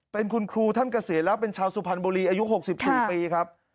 เป็นคุณครูท่านเกษียณแล้วเป็นชาวสุพรรณบุรีอายุ๖๔ปีครับ